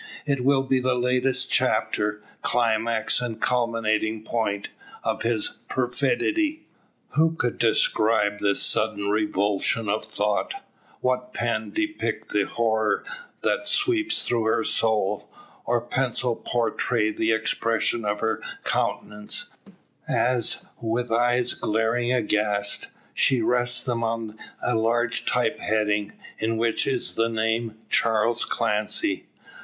It will be the latest chapter, climax and culminating point, of his perfidy! Who could describe the sudden revulsion of thought; what pen depict the horror that sweeps through her soul; or pencil portray the expression of her countenance, as, with eyes glaring aghast, she rests them on a large type heading, in which is the name "Charles Clancy?"